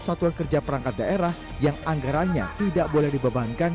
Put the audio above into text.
satuan kerja perangkat daerah yang anggarannya tidak boleh dibebankan